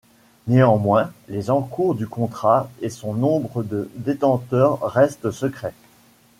Néanmoins, les encours du contrat et son nombre de détenteurs restent secrets.